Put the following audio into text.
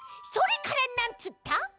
それからなんつった？